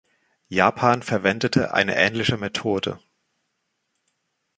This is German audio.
Japan verwendete eine ähnliche Methode.